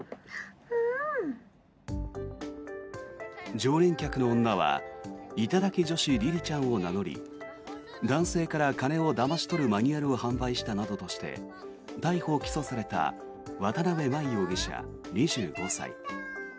常連客の女は頂き女子りりちゃんを名乗り男性から金をだまし取るマニュアルを販売したなどとして逮捕・起訴された渡邊真衣容疑者、２５歳。